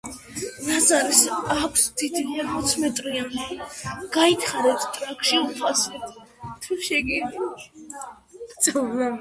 ღვთის მოშიშმა მდიდარმა თქვა: ღვთის სახელი ასე მცირეზე რატომ დავიფიცო